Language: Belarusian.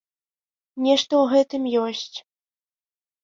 Нешта ў гэтым ёсць.